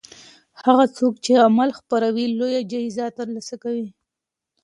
هغه څوک چې علم خپروي لویه جایزه ترلاسه کوي.